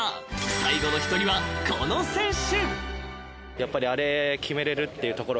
［最後の一人はこの選手］